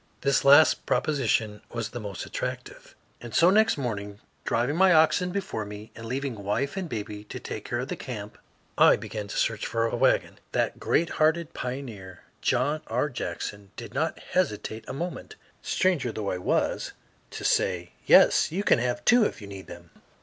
This last proposition was the most attractive, and so next morning, driving my oxen before me and leaving wife and baby to take care of the camp, I began the search for a wagon. That great hearted pioneer, John R. Jackson, did not hesitate a moment, stranger though I was, to say, "Yes, you can have two if you need them."